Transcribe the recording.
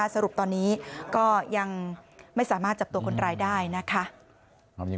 สรุปตอนนี้ก็ยังไม่สามารถจับตัวคนร้ายได้นะคะ